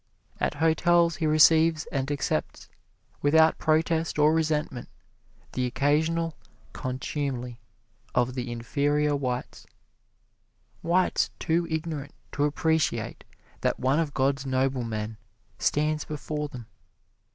At hotels he receives and accepts, without protest or resentment, the occasional contumely of the inferior whites whites too ignorant to appreciate that one of God's noblemen stands before them.